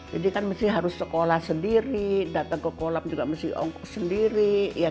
jadi kan mesti harus sekolah sendiri datang ke kolam juga mesti ongkuk sendiri